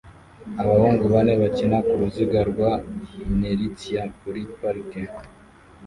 Abahungu bane bakina ku ruziga rwa inertia kuri parike